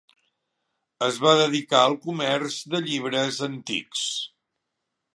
Es va dedicar al comerç de llibres antics.